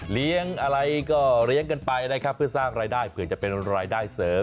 เลี้ยงอะไรก็เลี้ยงกันไปนะครับเพื่อสร้างรายได้เผื่อจะเป็นรายได้เสริม